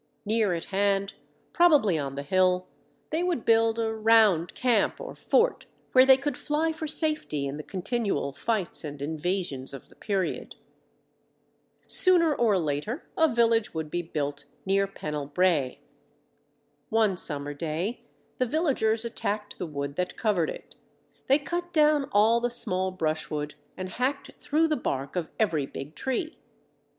Near at hand, probably on the hill, they would build a (round) camp or fort, where they could fly for safety in the continual fights and invasions of the period. Sooner or later a village would be built near Pennell Brae. One summer day the villagers attacked the wood that covered it; they cut down all the small brushwood and hacked through the bark of every big tree.